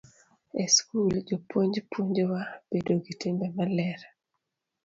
E skul, jopuonj puonjowa bedo gi timbe maler.